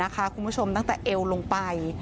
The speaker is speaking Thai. คุณผู้ชมตั้งแต่เอวลงไป